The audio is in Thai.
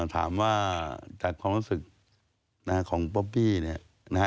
ถามว่าจากความรู้สึกของป๊อบปี้เนี่ย